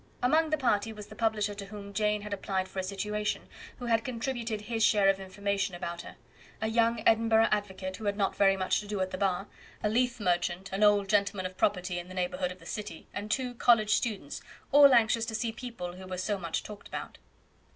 Among the party was the publisher to whom Jane had applied for a situation, who had contributed his share of information about her; a young Edinburgh advocate, who had not very much to do at the bar; a Leith merchant, an old gentleman of property in the neighbourhood of the city, and two college students, all anxious to see people who were so much talked about.